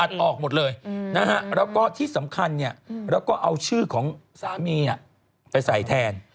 ตัดออกหมดเลยแล้วก็ที่สำคัญเราก็เอาชื่อของสามีไปใส่แทน